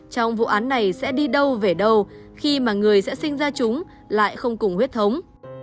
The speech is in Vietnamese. trong vụ án này sẽ đi đâu về đâu khi mà người sẽ sinh ra chúng lại không cùng huyết thống